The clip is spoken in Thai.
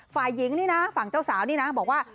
ฝ่ายิงฝั่งเจ้าสาวนี้นะบอกว่า